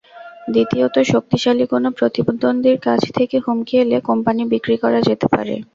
দ্বিতীয়ত, শক্তিশালী কোনো প্রতিদ্বন্দ্বীর কাছ থেকে হুমকি এলে কোম্পানি বিক্রি করা যেতে পারে।